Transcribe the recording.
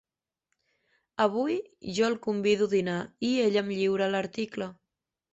Avui jo el convido a dinar i ell em lliura l'article.